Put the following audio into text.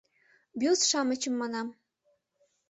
Бюст-шамычым манам.